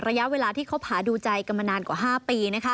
ระยะเวลาที่คบหาดูใจกันมานานกว่า๕ปี